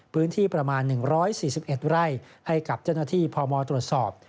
พื้นที่ประมาณ๑๔๑ไร่ให้กับเจ้าหน้าที่พมตรวจสอบ